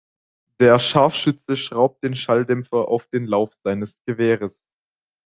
Der Scharfschütze schraubt den Schalldämpfer auf den Lauf seines Gewehres.